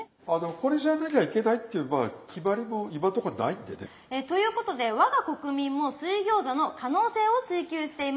これじゃなきゃいけないっていうまあ決まりも今んとこないんでね。ということで我が国民も水餃子の可能性を追求しています。